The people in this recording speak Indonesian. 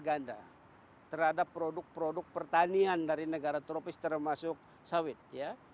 ganda terhadap produk produk pertanian dari negara tropis termasuk sawit ya